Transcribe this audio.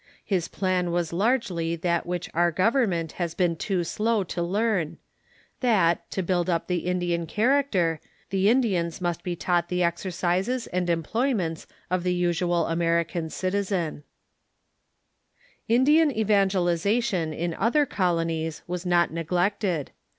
His plan was largely that which our government has been too slow to learn — that, to build up the Indian character, the Ind ians must be taught the exei'cises and employments of the usual American citizen. 478 THE CHURCH IN THE UNITED STATES Indian evangelization in other colonies was not neglected.